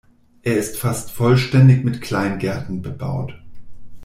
Er ist fast vollständig mit Kleingärten bebaut.